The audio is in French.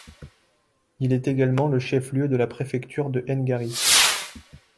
Il est également le chef-lieu de la préfecture de Ngari.